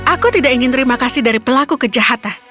aku tidak ingin terima kasih dari pelaku kejahatan